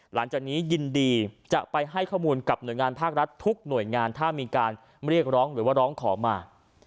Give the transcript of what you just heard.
หลังจากนี้ยินดีจะไปให้ข้อมูลกับหน่วยงานภาครัฐทุกหน่วยงานถ้ามีการเรียกร้องหรือว่าร้องขอมา